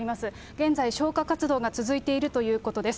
現在、消火活動が続いているということです。